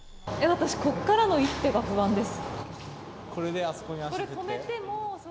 私ここからの一手が不安です。